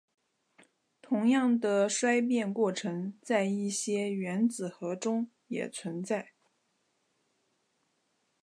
同样的衰变过程在一些原子核中也存在。